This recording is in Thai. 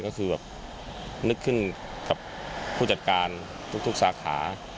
ก็คือแบบนึกขึ้นกับผู้จัดการทุกสาขา